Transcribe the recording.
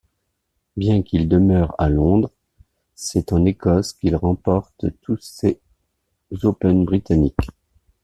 Bien qu'il demeure à Londres, c'est en Écosse qu'il remporte tous ces Open britanniques.